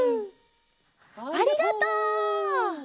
ありがとう！